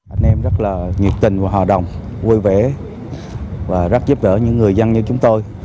anh em rất là nhiệt tình và hòa đồng vui vẻ và rất giúp đỡ những người dân như chúng tôi